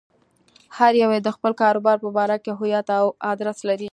هر يو يې د خپل کاروبار په باره کې هويت او ادرس لري.